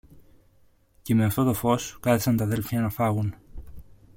και με αυτό το φως κάθισαν τ' αδέλφια να φάγουν.